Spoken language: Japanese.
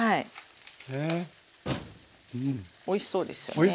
おいしそうですよね。